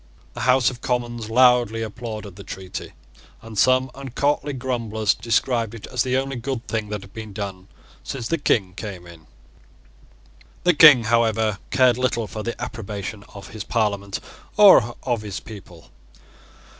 The House of Commons loudly applauded the treaty; and some uncourtly grumblers described it as the only good thing that had been done since the King came in. The King, however, cared little for the approbation of his Parliament or of his people.